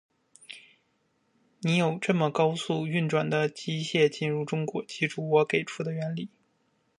你有这么高速运转的机械进入中国，记住我给出的原理。